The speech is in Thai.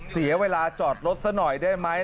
เสียเวลาจอดรถซะหน่อยได้ไหม